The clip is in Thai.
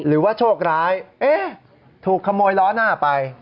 หรือว่าโชคร้ายถูกขโมยล้อหน้าไป